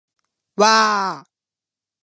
わーーーーーーーー